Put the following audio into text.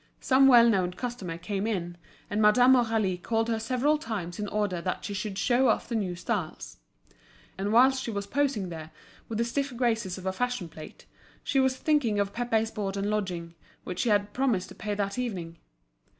Some well known customers came in, and Madame Aurélie called her several times in order that she should show off the new styles. And whilst she was posing there, with the stiff graces of a fashion plate, she was thinking of Pépé's board and lodging, which she had promised to pay that evening.